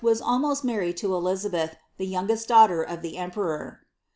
was almost married Elizabeth, the lOungesi daughter of the emperor.